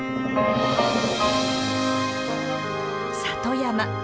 里山